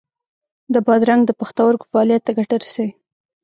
د بادرنګ د پښتورګو فعالیت ته ګټه رسوي.